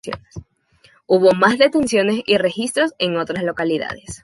Hubo más detenciones y registros en otras localidades.